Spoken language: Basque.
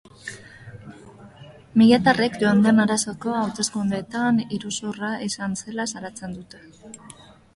Militarrek joan den azaroko hauteskundeetan iruzurra izan zela salatzen dute.